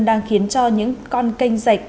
đang khiến cho những con canh rạch